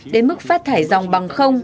đến mức phát thải dòng bằng